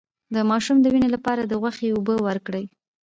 د ماشوم د وینې لپاره د غوښې اوبه ورکړئ